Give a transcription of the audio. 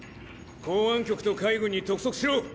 港湾局と海軍に督促しろ！